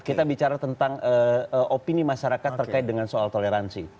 kita bicara tentang opini masyarakat terkait dengan soal toleransi